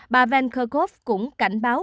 bà van kerkhove cũng cảnh báo